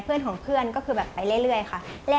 เพื่อนของเพื่อนก็คือแบบไปเรื่อยค่ะ